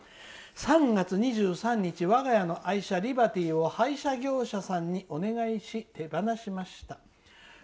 「３月２３日我が家の愛車リバティーを廃車業者さんにお願いし手放しました。